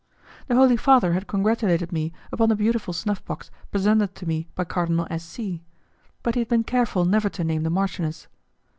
The Holy Father had congratulated me upon the beautiful snuff box presented to me by Cardinal S. C., but he had been careful never to name the marchioness.